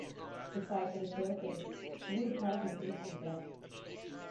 The sight of a pale face would cause him instant death.